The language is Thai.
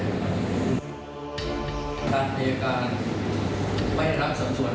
การพยายามการไม่รับสัมสวน